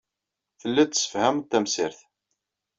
Telliḍ tessefhameḍ-d tamsirt.